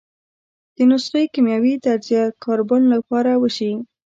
د نسخې کیمیاوي تجزیه کاربن له پاره وشي.